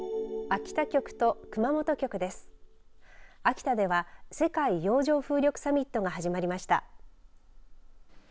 秋田では、世界洋上風力サミットが始まりました。